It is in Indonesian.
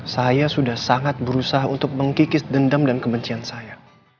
saya sudah sangat berusaha untuk mengkikis dendam dan kebencian saya